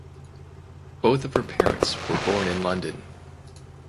Both of her parents were born in London.